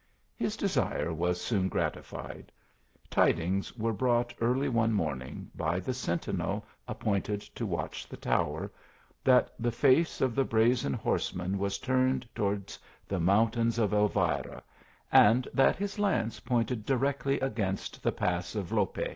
His desire was soon gratified. Tidings were brought early one morning, by the sentinel ap pointed to watch the tower, that the face of the brazen horseman was turned towards the mountains*.* of Elvira, and that his lance pointed directly against the pass of Lope.